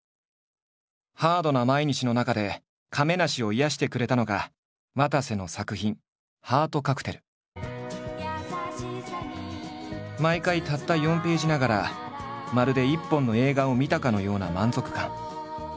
ハードな毎日の中で亀梨を癒やしてくれたのがわたせの作品毎回たった４ページながらまるで一本の映画を見たかのような満足感。